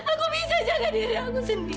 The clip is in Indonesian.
aku bisa jaga diri aku sendiri